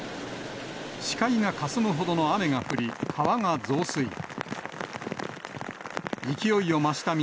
視界がかすむほどの雨が降り、川が増水。